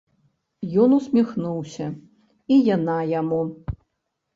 Ён усміхнуўся, і яна яму.